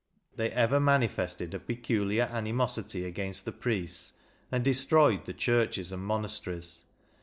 They ever mani fested a peculiar animosity against the priests, and destroyed the churches and monasteries.